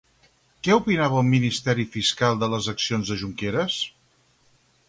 Què opinava el ministeri fiscal de les accions de Junqueras?